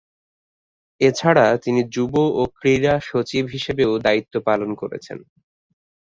এছাড়া তিনি যুব ও ক্রীড়া সচিব হিসেবেও দায়িত্ব পালন করেছেন।